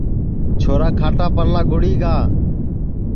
چھورا کھاٹاپلا گُڑی گا